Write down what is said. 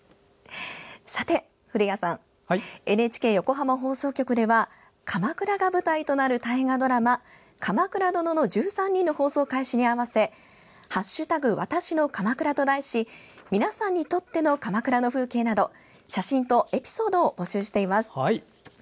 さて、ＮＨＫ横浜放送局では鎌倉が舞台となる大河ドラマ「鎌倉殿の１３人」の放送開始に合わせ「＃わたしの鎌倉」と題し皆さんにとっての鎌倉の風景など写真とエピソードを募集しています。